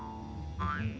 koin gua dimana